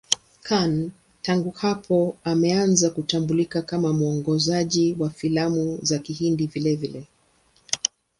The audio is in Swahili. Khan tangu hapo ameanza kutambulika kama mwongozaji wa filamu za Kihindi vilevile.